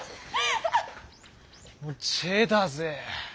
もうチェッだぜ。